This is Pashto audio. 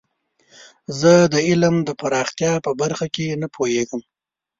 زه د علم د پراختیا په برخه کې نه پوهیږم.